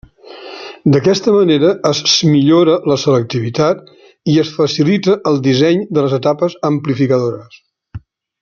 D'aquesta manera es millora la selectivitat i es facilita el disseny de les etapes amplificadores.